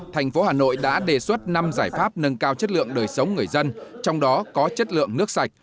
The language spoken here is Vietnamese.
thành phố hà nội đã đề xuất năm giải pháp nâng cao chất lượng đời sống người dân trong đó có chất lượng nước sạch